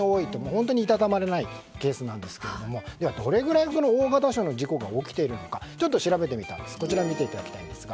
本当にいたたまれないケースなんですがどれくらい大型車による事故が起きているのかちょっと調べてみました。